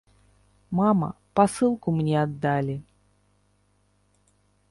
Мама, пасылку мне аддалі.